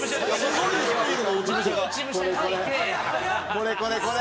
これこれこれ。